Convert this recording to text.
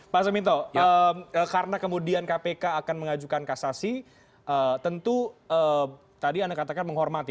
pak suminto karena kemudian kpk akan mengajukan kasasi tentu tadi anda katakan menghormati